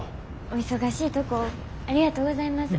お忙しいとこありがとうございます。